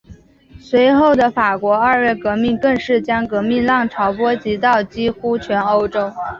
随后的法国二月革命更是将革命浪潮波及到几乎全欧洲。